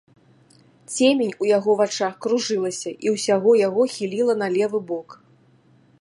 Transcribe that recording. Цемень у яго вачах кружылася, і ўсяго яго хіліла на левы бок.